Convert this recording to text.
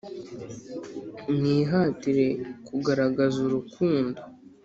Mwihatire kugaragaza urukundo